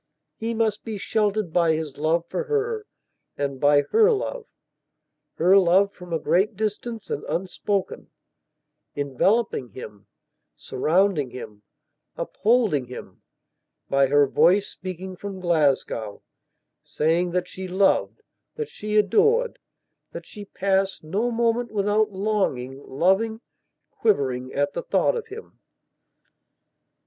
He must be sheltered by his love for her and by her loveher love from a great distance and unspoken, enveloping him, surrounding him, upholding him; by her voice speaking from Glasgow, saying that she loved, that she adored, that she passed no moment without longing, loving, quivering at the thought of him.